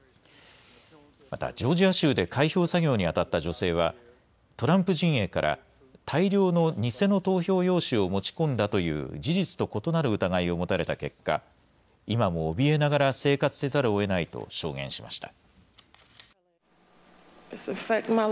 またジョージア州で開票作業にあたった女性はトランプ陣営から大量の偽の投票用紙を持ち込んだという事実と異なる疑いを持たれた結果、今もおびえながら生活せざるをえないと証言しました。